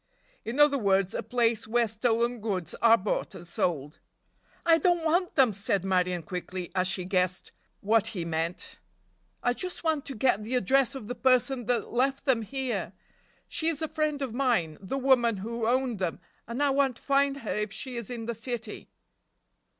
In other words a place where stolen goods are bought and sold. "I don't want them," said Marion quickly, as she guessed what he meant, "I just want to get the address of the person that left them here. She is a friend of mine, the woman who owned them, and I want to find her if she is in the city."